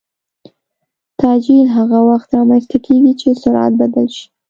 تعجیل هغه وخت رامنځته کېږي چې سرعت بدل شي.